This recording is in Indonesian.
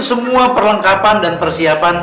semua perlengkapan dan persiapan